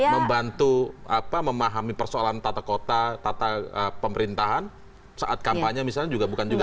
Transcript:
membantu memahami persoalan tata kota tata pemerintahan saat kampanye misalnya juga bukan juga